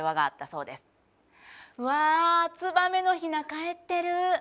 「うわツバメのヒナかえってる」